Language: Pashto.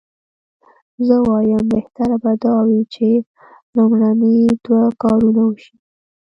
زه وایم بهتره به دا وي چې لومړني دوه کارونه وشي.